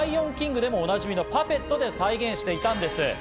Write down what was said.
『ライオンキング』でもおなじみのパペットで表現していたんです。